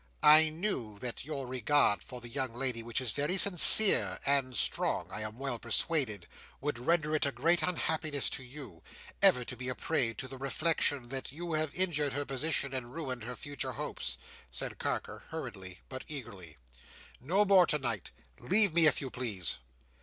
"I knew that your regard for the young lady, which is very sincere and strong, I am well persuaded, would render it a great unhappiness to you, ever to be a prey to the reflection that you had injured her position and ruined her future hopes," said Carker hurriedly, but eagerly. "No more tonight. Leave me, if you please."